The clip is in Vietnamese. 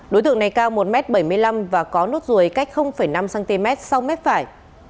đối tượng này cao một m bảy mươi năm và có nốt ruồi cách năm cm sau mép phải